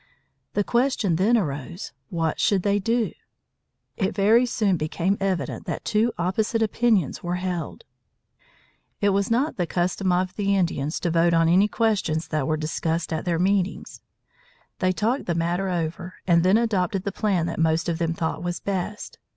The question then arose, what should they do? It very soon became evident that two opposite opinions were held. It was not the custom of the Indians to vote on any questions that were discussed at their meetings. They talked the matter over and then adopted the plan that most of them thought was best.